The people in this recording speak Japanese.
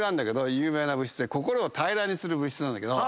有名な物質で心を平らにする物質なんだけど。